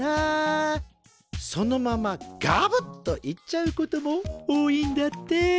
そのままガブッといっちゃうことも多いんだって。